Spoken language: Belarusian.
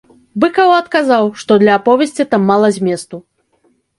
Быкаў адказаў, што для аповесці там мала зместу.